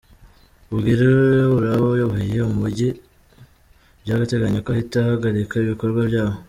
Ubwire uraba ayoboye umujyi by’agateganyo ko ahita ahagarika ibikorwa byabo.